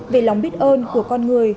về lòng biết ơn của con người